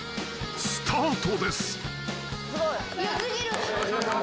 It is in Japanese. ［スタートです］